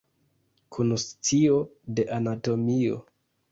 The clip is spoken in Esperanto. Kun scio de anatomio.